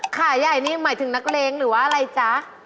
ขาใหญ่นี่หมายถึงนักเลงหรือว่าอะไรจ๊ะ